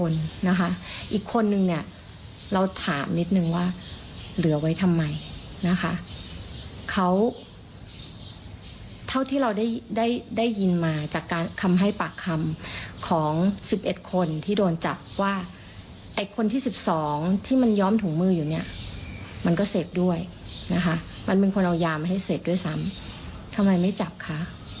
นะคะมันเป็นคนเอายามาให้เสร็จด้วยซ้ำทำไมไม่จับค่ะ